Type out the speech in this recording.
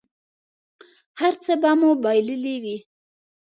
هر څه به مو بایللي وي.